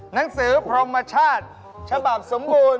หนังสือพรมชาติฉบับสมบูรณ์